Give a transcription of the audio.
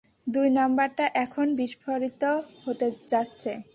দুই নাম্বারটা এখন বিস্ফোরিত হতে যাচ্ছে!